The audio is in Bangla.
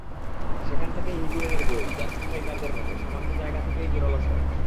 সেখান থেকেই হিগুয়েইনের গোল, জাত স্ট্রাইকারদের মতো, সামান্য জায়গা থেকেই জোরালো শট।